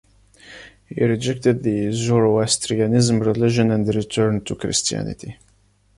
He rejected the Zoroastrianism religion and returned to Christianity.